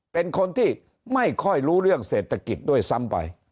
เป็นคนที่ไม่ค่อยรู้เรื่องเศรษฐกิจด้วยซ้ำไป